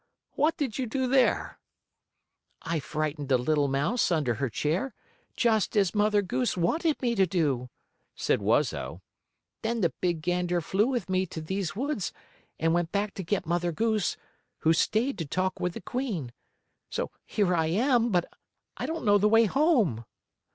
What did you do there?" "I frightened a little mouse under her chair, just as Mother Goose wanted me to do," said Wuzzo. "Then the big gander flew with me to these woods and went back to get Mother Goose, who stayed to talk with the Queen. So here I am, but I don't know the way home."